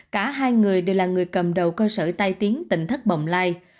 cả hai người đều là người cầm đầu cơ sở tai tiếng tỉnh thất bồng lai